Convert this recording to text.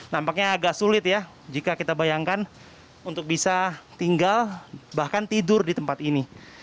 nampaknya agak sulit ya jika kita bayangkan untuk bisa tinggal bahkan tidur di tempat ini